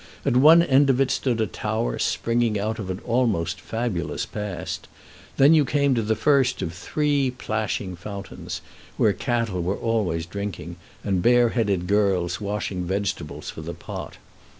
At one end of it stood a tower springing out of an almost fabulous past; then you came to the first of three plashing fountains, where cattle were always drinking, and bareheaded girls washing vegetables for the pot.